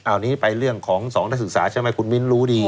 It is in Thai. อันนี้ไปเรื่องของ๒นักศึกษาใช่ไหมคุณมิ้นรู้ดี